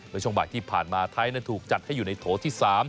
ช่วงบ่ายที่ผ่านมาไทยถูกจัดให้อยู่ในโถที่๓